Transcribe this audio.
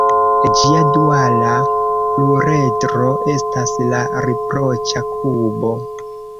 Ĝia duala pluredro estas la riproĉa kubo.